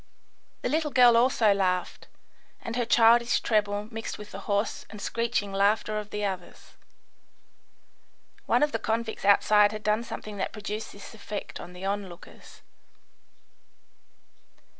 The little girl also laughed, and her childish treble mixed with the hoarse and screeching laughter of the others. One of the convicts outside had done something that produced this effect on the onlookers.